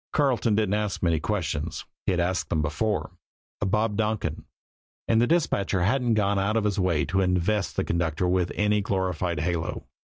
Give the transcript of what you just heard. Carleton didn't ask many questions he'd asked them before of Bob Donkin and the dispatcher hadn't gone out of his way to invest the conductor with any glorified halo.